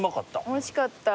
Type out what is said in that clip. おいしかった。